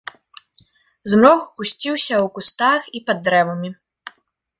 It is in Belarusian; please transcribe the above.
Змрок гусціўся ў кустах і пад дрэвамі.